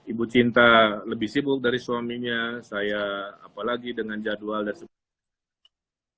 ibu cinta lebih sibuk dari suaminya saya apalagi dengan jadwal dan sebagainya